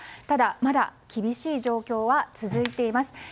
ただ、まだ厳しい状況は続いています。